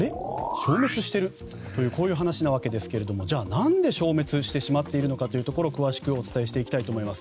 消滅している？という話なわけですがじゃあ、何で消滅してしまっているのかというところを詳しくお伝えしていきたいと思います。